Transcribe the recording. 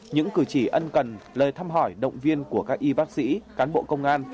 những cử chỉ ân cần lời thăm hỏi động viên của các y bác sĩ cán bộ công an